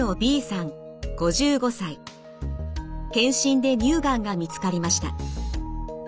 検診で乳がんが見つかりました。